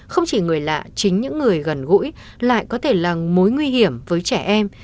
không chỉ người lạ chính những người gần gũi lại có thể là mối nguy hiểm với trẻ em